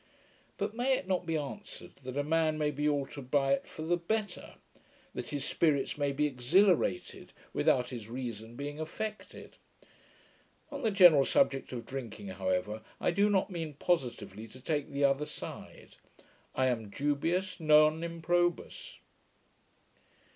But may it not be answered, that a man may be altered by it FOR THE BETTER; that his spirits may be exhilarated, without his reason being affected? On the general subject of drinking, however, I do not mean positively to take the other side. I am dubius, non improbus.